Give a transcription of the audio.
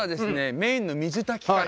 メインの水炊きから。